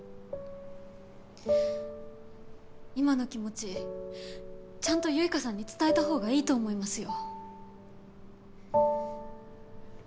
今の気持ちちゃんと結花さんに伝えたほうがいいと思いますよ。